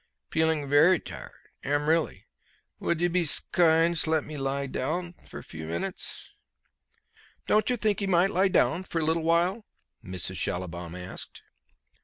Feeling very tired. Am really. Would you be s'kind 's t'let me lie down few minutes?" "Don't you think he might lie down for a little while?" Mrs. Schallibaum asked.